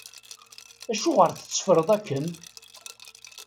Acuɣer tetteffreḍ akken?